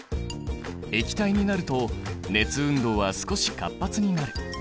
液体になると熱運動は少し活発になる。